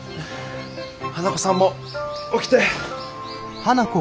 花子さんも起きて。